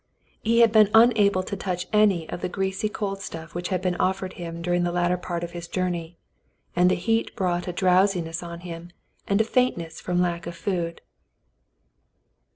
He had been unable to touch any of the greasy cold stuff which had been offered him during the latter part of his journey, and the heat brought a drowsiness on him and a faintness from lack of food.